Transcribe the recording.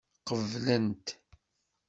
Qeblen-t.